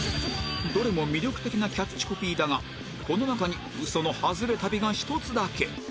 どれも魅力的なキャッチコピーだがこの中に嘘のハズレ旅が１つだけ